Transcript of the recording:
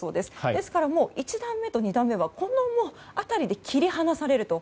ですから１段目と２段目はこの辺りで切り離されると。